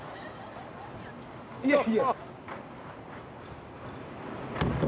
いやいや。